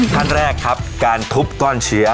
ขั้นแรกครับการทุบก้อนเชื้อ